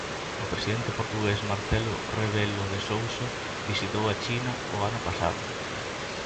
O presidente portugués, Marcelo Rebelo de Sousa, visitou a China o ano pasado.